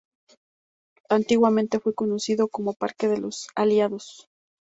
Antiguamente fue conocido como "Parque de los Aliados".